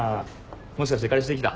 もしかして彼氏できた？